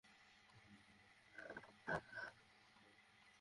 এতে রোগীর ভোগান্তিই কেবল বাড়ে এবং রোগও জটিল রূপ ধারণ করে।